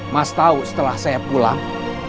mas tahu setelah saya pulang